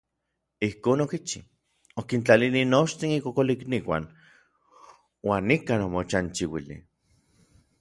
Ijkon okichi, okintlanili nochtin ikokolikniuan uan nikan omochanchiuili.